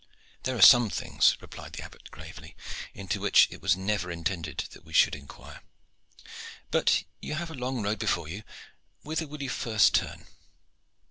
"There are some things," replied the Abbot gravely, "into which it was never intended that we should inquire. But you have a long road before you. Whither will you first turn?"